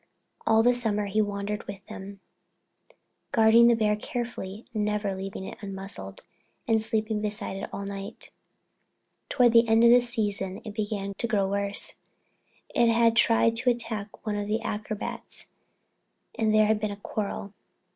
All the summer he wandered with them, guarding the bear carefully, never leaving it unmuzzled, and sleeping beside it at night. Toward the end of the season it began to grow worse. It had tried to attack one of the acrobats and there had been a quarrel.